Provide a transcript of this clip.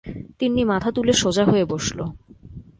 তিন্নি মাথা তুলে সোজা হয়ে বসল।